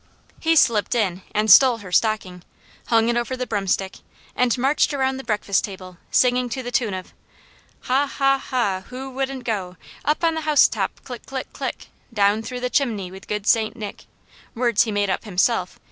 He slipped in and stole her stocking, hung it over the broomstick, and marched around the breakfast table singing to the tune of "Ha, ha, ha, who wouldn't go Up on the housetop click, click, click? Down through the chimney, With good Saint Nick " words he made up himself.